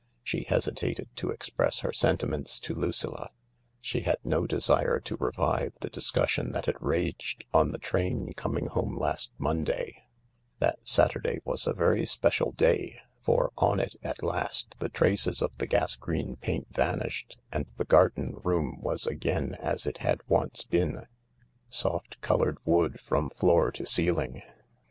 She hesitated to express her sentiments to Lucilla — she had no desire to revive the dis cussion that had raged on the train coming home last Monday, That Saturday was a very special day, for on it, at last, the traces of the gas green paint vanished, and the garden room was again as it had once been — soft coloured wood from floor to ceiling.